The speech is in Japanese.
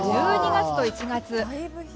１２月と１月。